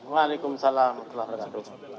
waalaikumsalam warahmatullahi wabarakatuh